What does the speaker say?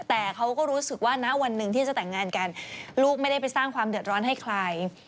แต่เขาก็รู้สึกว่าณวันหนึ่งที่จะแต่งงานกันลูกไม่ได้ไปสร้างความเดือดร้อนให้ใคร